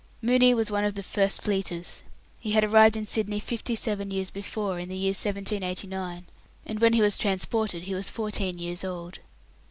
Mooney was one of the "First Fleeters". He had arrived in Sydney fifty seven years before, in the year 1789, and when he was transported he was fourteen years old.